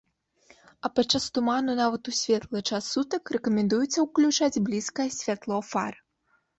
А падчас туману нават у светлы час сутак рэкамендуецца ўключаць блізкае святло фар.